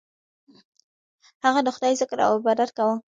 هغه د خدای ذکر او عبادت کاوه.